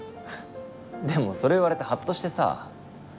でもそれ言われてハッとしてさ。